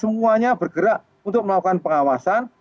semuanya bergerak untuk melakukan pengawasan